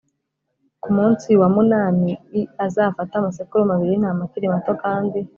Ku munsi wa munani i azafate amasekurume abiri y intama akiri mato kandi